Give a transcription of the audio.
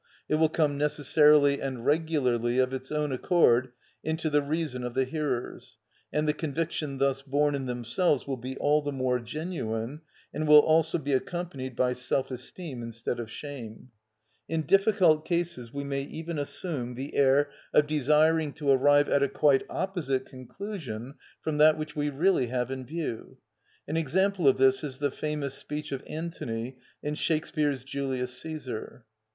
It will come necessarily and regularly of its own accord into the reason of the hearers, and the conviction thus born in themselves will be all the more genuine, and will also be accompanied by self esteem instead of shame. In difficult cases we may even assume the air of desiring to arrive at a quite opposite conclusion from that which we really have in view. An example of this is the famous speech of Antony in Shakspeare's "Julius Cæsar."